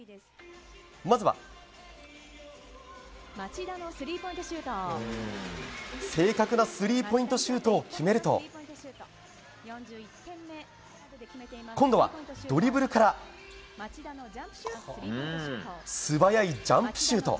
まずは、正確なスリーポイントシュートを決めると今度はドリブルから素早いジャンプシュート。